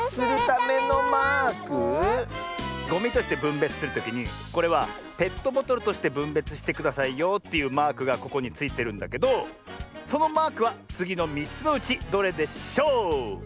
ゴミとしてぶんべつするときにこれはペットボトルとしてぶんべつしてくださいよっていうマークがここについてるんだけどそのマークはつぎの３つのうちどれでしょう？